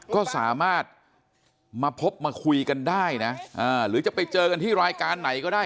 ก็สามารถมาพบมาคุยกันได้นะหรือจะไปเจอกันที่รายการไหนก็ได้